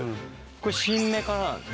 これ新芽かな？